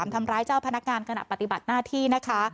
ทำร้ายเจ้าพนักงานขณะปฏิบัติหน้าที่นะคะ